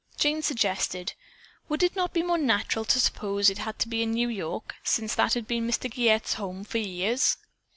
Jane suggested: "Would it not be more natural to suppose it to be a New York bank, since that had been Mr. Giguette's home for years?"